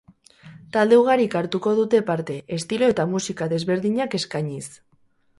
Talde ugarik hartuko du parte, estilo eta musika desberdinakeskainiz.